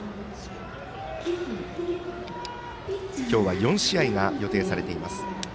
今日は４試合が予定されています。